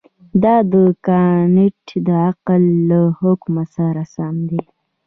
دا د کانټ د عقل له حکم سره سم دی.